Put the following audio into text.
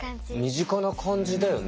身近な感じだよね。